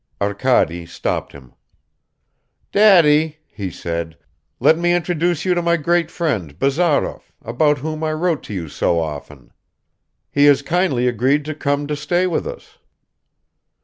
Arkady stopped him. "Daddy," he said, "let me introduce you to my great friend, Bazarov, about whom I wrote to you so often. He has kindly agreed to come to stay with us."